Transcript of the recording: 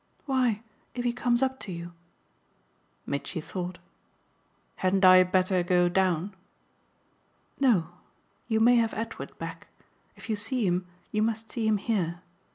"Why, if he comes up to you." Mitchy thought. "Hadn't I better go down?" "No you may have Edward back. If you see him you must see him here.